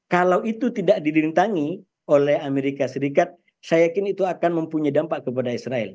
kalau itu tidak dirintangi oleh amerika serikat saya yakin itu akan mempunyai dampak kepada israel